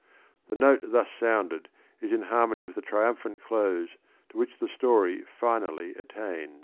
The note thus sounded is in har mony with the triumphant close to which the story finally attains.